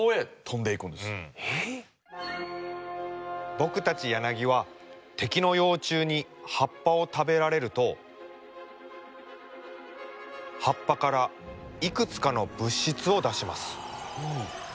僕たちヤナギは敵の幼虫に葉っぱを食べられると葉っぱからいくつかの物質を出します。